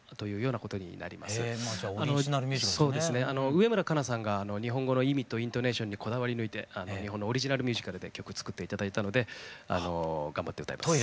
植村花菜さんが日本語の意味とイントネーションにこだわり抜いて日本のオリジナルミュージカルで曲作って頂いたので頑張って歌います。